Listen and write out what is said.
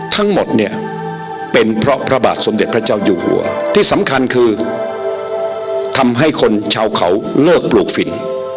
ทั้งหมดเนี่ยเป็นเพราะพระบาทสมเด็จพระเจ้าอยู่หัวที่สำคัญคือทำให้คนชาวเขาเลิกปลูกฝิ่น